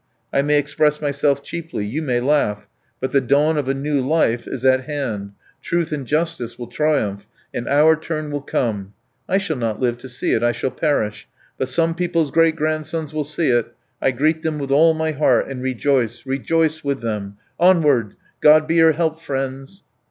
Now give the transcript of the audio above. I may express myself cheaply, you may laugh, but the dawn of a new life is at hand; truth and justice will triumph, and our turn will come! I shall not live to see it, I shall perish, but some people's great grandsons will see it. I greet them with all my heart and rejoice, rejoice with them! Onward! God be your help, friends!"